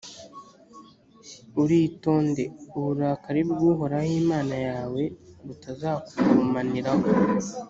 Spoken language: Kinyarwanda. uritonde, uburakari bw’uhoraho imana yawe butazakugurumaniraho,